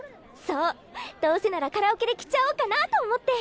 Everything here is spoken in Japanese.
そうどうせならカラオケで着ちゃおうかなと思って。